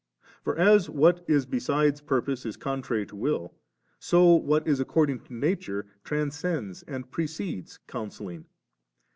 For as what is beside purpose is contrary to will, so what is according to nature transcends and precedes counselHng'.